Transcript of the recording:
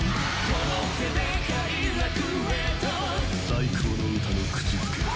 最高の歌の口づけを。